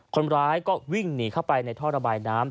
คนร้ายก็วิ่งหนีเข้าไปในท่อระบายน้ำ